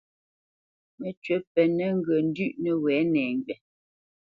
Məcywǐ pɛ́nə ŋgyə̂ ndʉ̌ʼ nəwɛ̌ nɛŋgywa.